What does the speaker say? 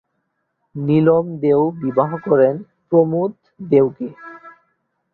নীলম দেও বিবাহ করেন প্রমোদ দেও কে।